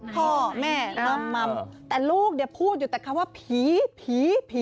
พ่อแม่ง่ำแต่ลูกพูดแต่คำว่าผี